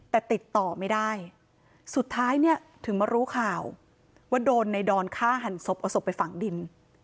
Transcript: แต่ติดต่อไม่ได้สุดท้ายเนี่ยถึงมารู้ข่าวว่าโดนในดอนฆ่าหันศพเอาศพไปฝังดิน